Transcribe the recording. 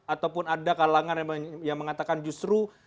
ataupun ada kalangan yang mengatakan justru